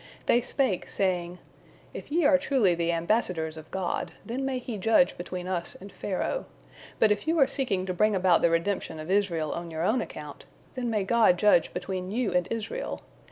They spake, saying, "If ye are truly the ambassadors of God, then may He judge between us and Pharaoh. But if you are seeking to bring about the redemption of Israel on your own account, then may God judge between you and Israel.